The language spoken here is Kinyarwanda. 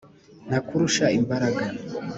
ntakurusha imbaga,